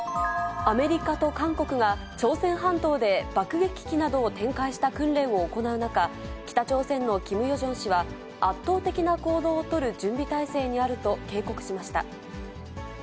アメリカと韓国が朝鮮半島で爆撃機などを展開した訓練を行う中、北朝鮮のキム・ヨジョン氏は、圧倒的な行動を取る準備態勢にあると警告しました。